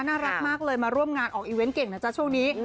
น่ารักมากเลยมาร่วมงานออกอีเวนต์เก่งนะจ๊ะช่วงนี้